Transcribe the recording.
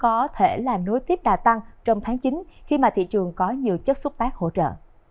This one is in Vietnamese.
có thể là nối tiếp đa tăng trong tháng chín khi mà thị trường có nhiều chất xuất phát hỗ trợ